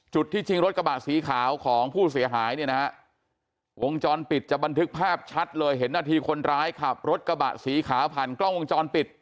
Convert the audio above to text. ที่ชิงรถกระบะสีขาวของผู้เสียหายเนี่ยนะฮะวงจรปิดจะบันทึกภาพชัดเลยเห็นนาทีคนร้ายขับรถกระบะสีขาวผ่านกล้องวงจรปิด